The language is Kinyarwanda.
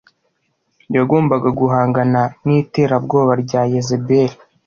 Yagombaga guhangana niterabwoba rya Yezebeli